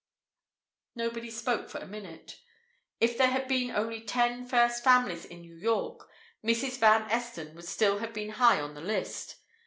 Nobody spoke for a minute. If there had been only Ten First Families in New York, Mrs. Van Esten would still have been high on the list.